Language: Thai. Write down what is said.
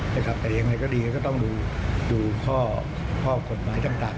แต่ยังไงก็ดีเราก็ต้องดูข้อผลของกฎหมายสำหรับท่าน